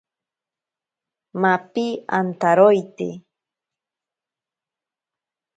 Mapi antaroite.